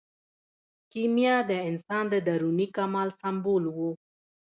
کیمیا د انسان د دروني کمال سمبول و.